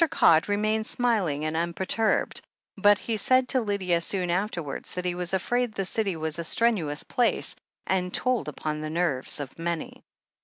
Codd remained smiling and unperturbed, but he said to Lydia soon afterwards that he was afraid the City was a strenuous place, and told upon the nerves of many.